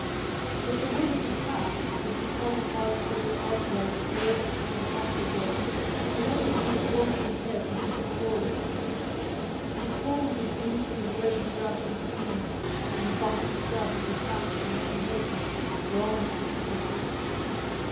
But the weight of the pack, as the column marched under arc lights glaring through the afterglow, inevitably forced his head to droop forward. The soles of boots and legs wrapped in puttees and the bottom strap of the pack of the man ahead of him were all he could see.